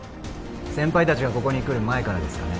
先輩達がここに来る前からですかね